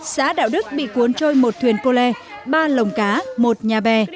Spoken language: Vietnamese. xã đạo đức bị cuốn trôi một thuyền cô le ba lồng cá một nhà bè